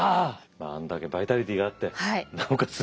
あんだけバイタリティーがあってなおかつ